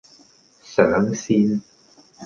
上線